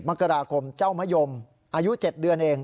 มกราคมเจ้ามะยมอายุ๗เดือนเอง